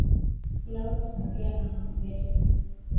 Ninaweza kuongea na hamisi